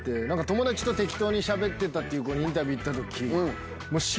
友達と適当に喋ってたっていう子にインタビュー行った時。